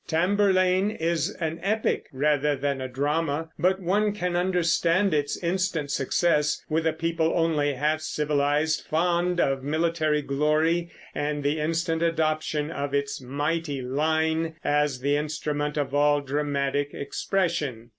Tamburlaine is an epic rather than a drama; but one can understand its instant success with a people only half civilized, fond of military glory, and the instant adoption of its "mighty line" as the instrument of all dramatic expression.